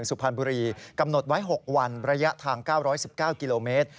สุพรรณบุรีกำหนดไว้๖วันระยะทาง๙๑๙กิโลเมตร